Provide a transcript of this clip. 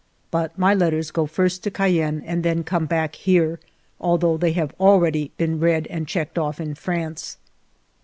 But my letters go first to Cayenne and then come back here, although they have already been read and checked oflT in France.